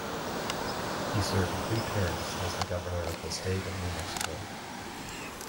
He served three terms as the governor of the state of New Mexico.